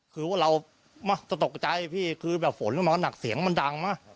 คือว่าเราจะตกใจพี่คือแบบฝนมันก็หนักเสียงมันดังมาก